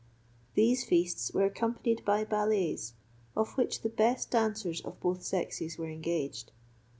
These feasts were accompanied by ballets, for which the best dancers of both sexes were engaged.